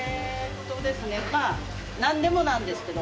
まあ何でもなんですけど。